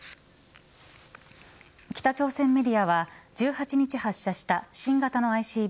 北朝鮮メディアは１８日発射した、新型のＩＣＢＭ